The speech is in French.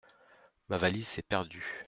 Ma valise s’est perdue.